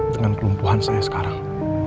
dengan kelumpuhan saya sekarang